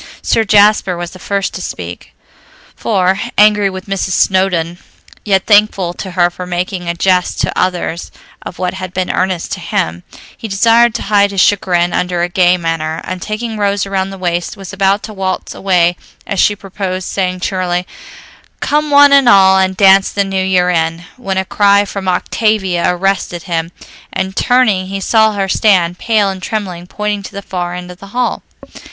Sir Jasper was the first to speak, for, angry with Mrs. Snowdon, yet thankful to her for making a jest to others of what had been earnest to him, he desired to hide his chagrin under a gay manner; and taking Rose around the waist was about to waltz away as she proposed, saying cheerily, "'Come one and all, and dance the new year in,'" when a cry from Octavia arrested him, and turning he saw her stand, pale and trembling, pointing to the far end of the hall.